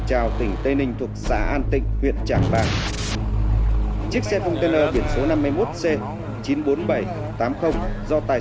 trào tỉnh tây ninh thuộc xã an tịnh huyện trảng bàng chiếc xe container biển số năm mươi một c chín mươi bốn nghìn bảy trăm tám mươi do tài